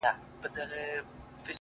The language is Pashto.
o د زړگي غوښي مي د شپې خوراك وي؛